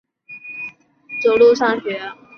她每天带小女儿走路上学